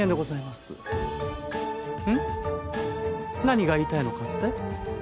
何が言いたいのかって？